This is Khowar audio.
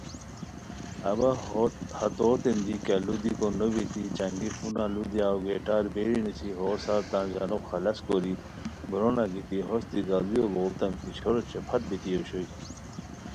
اوا ہتوتین دی کیہ لُودیکو نوبیتی چانگی فونہ لُو دیاؤ گیٹار بیری نیسی ہوروسار تان ژانو خلص کوری برونہ گیتی ہوستی گھڑیو لُوڑیتام کی چھور اوچے پھت بیتی اوشوئے